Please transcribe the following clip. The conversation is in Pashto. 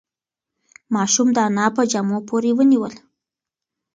ماشوم د انا په جامو پورې ونیول.